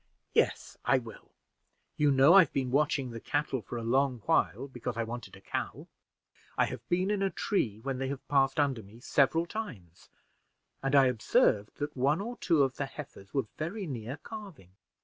"Yes, I will. You know I've been watching the cattle for a long while, because I wanted a cow. I have been in a tree when they have passed under me several times, and I observed that one or two of the heifers were very near calving.